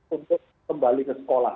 untuk kembali ke sekolah